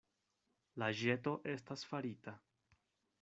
La ĵeto estas farita.